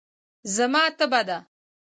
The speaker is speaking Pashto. زما تبه ده.